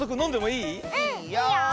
いいよ。